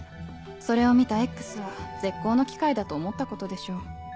それを見たＸは絶好の機会だと思ったことでしょう。